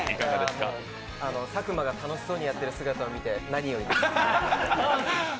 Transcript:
佐久間が楽しそうにやってる姿を見て、何よりです。